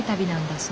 そう。